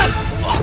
jangan sampai lalai